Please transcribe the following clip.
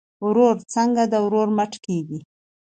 ورور څنګه د ورور مټ کیږي؟